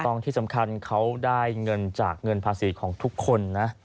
ที่สำคัญเขาได้เงินจากเงินภาษีของทุกคนนะ